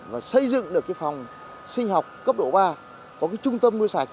và xây dựng được phòng sinh học cấp độ ba có trung tâm nuôi sạch